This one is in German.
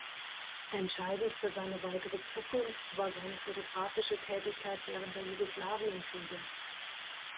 Entscheidend für seine weitere Zukunft war seine fotografische Tätigkeit während der Jugoslawienkriege.